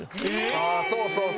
ああそうそうそうそう。